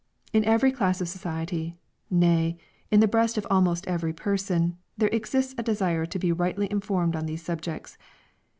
In every class of society, nay, in the breast of almost every person, there exists a desire to be rightly informed on these subjects.